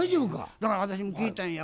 だから私も聞いたんや。